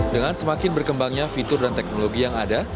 dengan semakin berkembangnya fitur dan teknologi yang ada